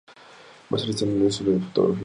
Marcela está en una escuela de fotografía.